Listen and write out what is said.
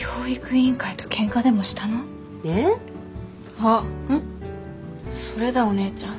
あっそれだお姉ちゃん。